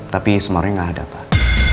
tapi sumarno nya gak ada pak